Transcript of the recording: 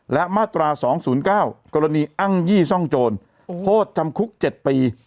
และมาตรา๒๐๙กรณีอ้างยี่ซ่องโจรโทษจำคุก๗ปี